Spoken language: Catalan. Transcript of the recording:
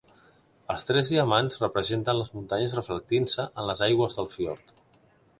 Els tres diamants representen les muntanyes reflectint-se en les aigües del fiord.